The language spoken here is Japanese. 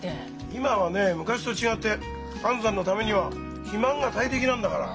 今はね昔と違って安産のためには肥満が大敵なんだから。